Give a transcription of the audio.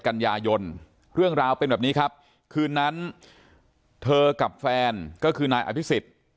กันยายนเรื่องราวเป็นแบบนี้ครับคืนนั้นเธอกับแฟนก็คือนายอภิษฎ